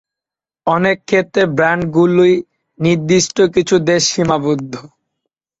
অনেক ক্ষেত্রে ব্র্যান্ডগুলি নির্দিষ্ট কিছু দেশে সীমাবদ্ধ।